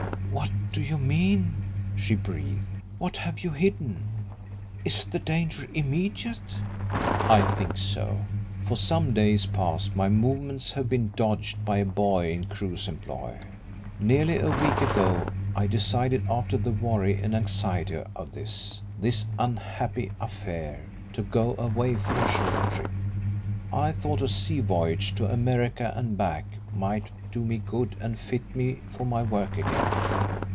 "What do you mean?" she breathed. "What have you hidden? Is the danger immediate?" "I think so. For some days past my movements have been dogged by a boy in Crewe's employ. Nearly a week ago I decided, after the worry and anxiety of this this unhappy affair, to go away for a short trip. I thought a sea voyage to America and back might do me good and fit me for my work again."